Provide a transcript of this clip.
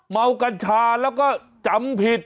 มากัญชาแล้วก็จำผิด